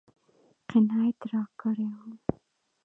قناعت راکړی و.